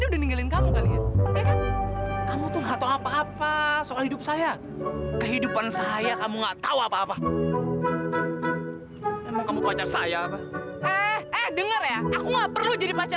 cuma memanfaatin saya untuk ambisinya